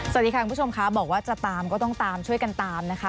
สวัสดีค่ะคุณผู้ชมค่ะบอกว่าจะตามก็ต้องตามช่วยกันตามนะคะ